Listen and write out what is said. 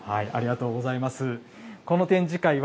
ありがとうございます。